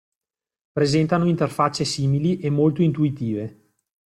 Presentano interfacce simili e molto intuitive.